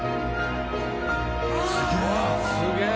すげえ！